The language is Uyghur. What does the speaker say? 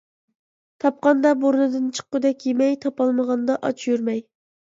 تاپقاندا بۇرنىدىن چىققۇدەك يېمەي، تاپالمىغاندا ئاچ يۈرمەي.